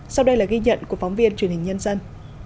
sau đây là ghi nhận của phóng viên truyền hình nhân dân